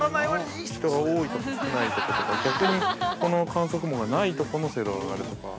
人が多いところと少ないところとか、逆に、この観測網がないところの精度が上がるとか。